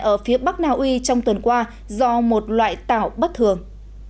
ở phía bắc naui trong tuần qua do một loại tảo bất thường